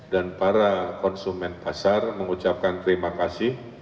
dan para konsumen pasar mengucapkan terima kasih